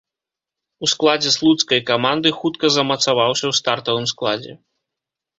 У складзе слуцкай каманды хутка замацаваўся ў стартавым складзе.